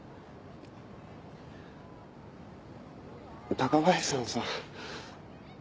高林さんさ